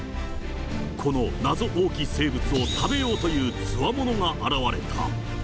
この謎多き生物を食べようというつわものが現れた。